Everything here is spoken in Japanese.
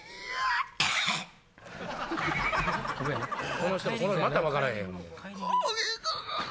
この人また分からへん。